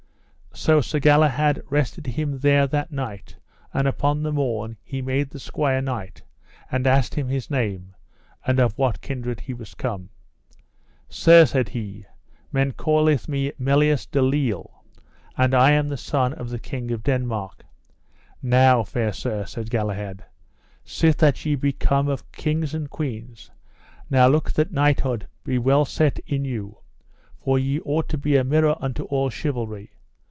So Sir Galahad rested him there that night; and upon the morn he made the squire knight, and asked him his name, and of what kindred he was come. Sir, said he, men calleth me Melias de Lile, and I am the son of the King of Denmark. Now, fair sir, said Galahad, sith that ye be come of kings and queens, now look that knighthood be well set in you, for ye ought to be a mirror unto all chivalry.